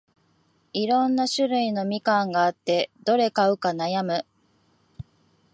いろんな種類のみかんがあって、どれ買うか悩む